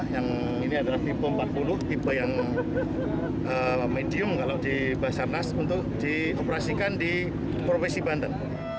yang ini adalah tipe empat puluh tipe yang medium kalau di basarnas untuk dioperasikan di provinsi banten